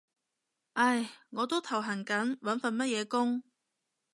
唉，我都頭痕緊揾份乜嘢工